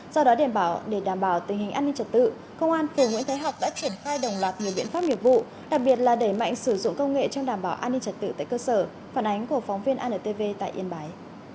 do đó để đảm bảo tình hình an ninh trật tự công an phường nguyễn thái học đã triển khai đồng loạt nhiều biện pháp nghiệp vụ đặc biệt là đẩy mạnh sử dụng công nghệ trong đảm bảo an ninh trật tự tại cơ sở phản ánh của phóng viên antv tại yên bái